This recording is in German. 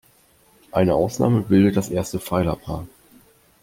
Eine Ausnahme bildet das erste Pfeilerpaar.